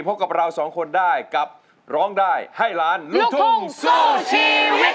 พบกับเราสองคนได้กับร้องได้ให้ล้านลูกทุ่งสู้ชีวิต